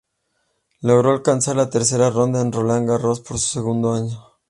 Logró alcanzar la tercera ronda en Roland Garros por segundo año.